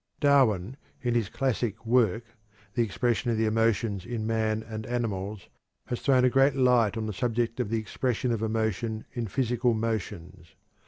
Darwin in his classic work, "The Expression of the Emotions in Man and Animals," has thrown a great light on the subject of the expression of emotion in physical motions.